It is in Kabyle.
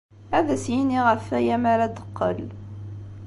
Ad as-yini ɣef waya mi ara d-teqqel.